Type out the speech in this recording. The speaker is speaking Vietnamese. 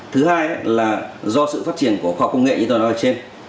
thứ hai là do sự phát triển của khoa học công nghệ như tôi nói ở trên